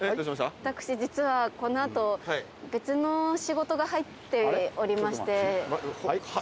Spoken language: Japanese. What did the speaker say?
私、実はこの後、別の仕事が入っておりまして。